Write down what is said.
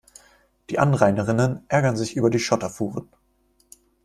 Die Anrainerinnen ärgern sich über die Schotterfuhren.